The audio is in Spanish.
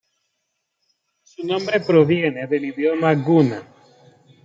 Su nombre proviene del idioma guna.